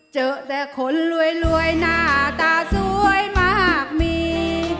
เจอแต่คนรวยหน้าตาสวยมากมี